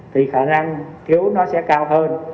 thì khả năng thiếu nó sẽ cao hơn